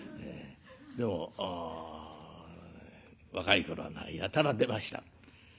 でも若い頃はやたら出ました。